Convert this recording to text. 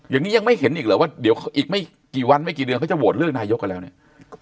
อย่างนี้ยังไม่เห็นอีกเหรอว่าเดี๋ยวอีกไม่กี่วันไม่กี่เดือนเขาจะโหวตเลือกนายกกันแล้วเนี่ย